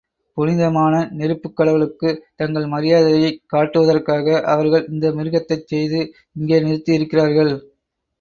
புனிதமான நெருப்புக் கடவுளுக்குத் தங்கள் மரியாதையைக் காட்டுவதற்காக, அவர்கள் இந்த மிருகத்தைச் செய்து இங்கே நிறுத்தி இருக்கிறார்கள்.